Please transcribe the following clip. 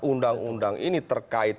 undang undang ini terkait